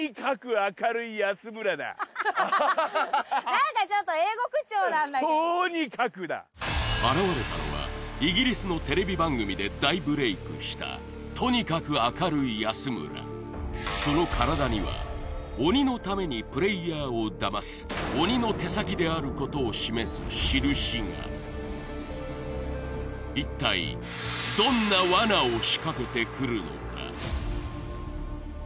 何かちょっと英語口調なんだけどＴＯＮＩＫＡＫＵだ現れたのはイギリスのテレビ番組で大ブレイクしたその体には鬼のためにプレイヤーをダマす鬼の手先であることを示す印が一体どんなワナを仕掛けてくるのか？